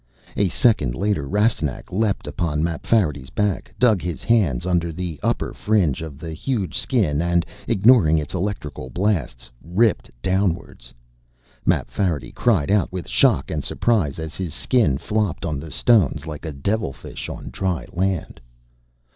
A second later, Rastignac leaped upon Mapfarity's back, dug his hands under the upper fringe of the huge Skin and, ignoring its electrical blasts, ripped downwards. Mapfarity cried out with shock and surprise as his skin flopped on the stones like a devilfish on dry land.